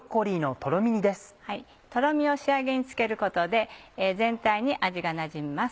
とろみを仕上げにつけることで全体に味がなじみます。